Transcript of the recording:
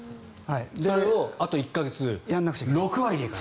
それを、あと１か月６割でいかなきゃいけない。